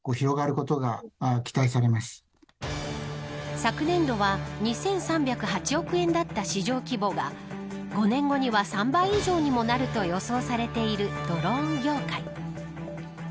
昨年度は２３０８億円だった市場規模が５年後には３倍以上にもなると予想されているドローン業界。